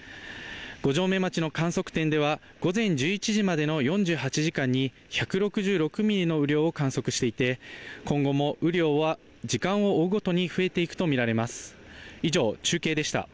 五城目町の観測点では午前１１時までの４８時間に１６６ミリの雨量を観測していて、今後も雨量は時間を追うごとに増えていくとみられます。